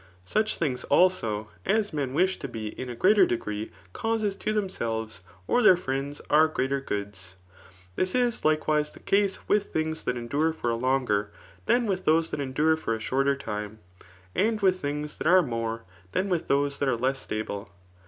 Such things, also, as men wish to be in a greater ^Ifgree causes to themselves or their ftiends, are greater goodi. This is likewise the case with tfanigs that endote for a longer, than widi those that endure for a shorter tkne ; and with thmgs that are more than with those that an less stable.